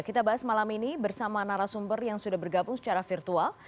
kita bahas malam ini bersama narasumber yang sudah bergabung secara virtual